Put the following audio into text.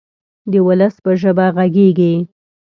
د ولس په ژبه غږیږي.